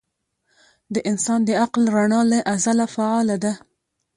د انسان د عقل رڼا له ازله فعاله ده.